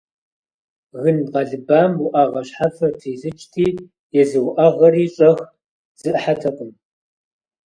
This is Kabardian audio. Гын къэлыбам уӏэгъэ щхьэфэр трисыкӏти, езы уӏэгъэри щӏэх зэӏыхьэтэкъым.